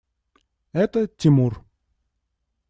Это – Тимур.